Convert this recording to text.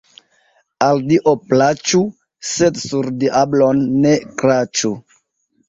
Al Dio plaĉu, sed sur diablon ne kraĉu.